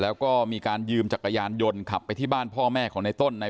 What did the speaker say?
แล้วก็มีการยืมจักรยานยนต์ขับไปที่บ้านพ่อแม่ของในต้นใน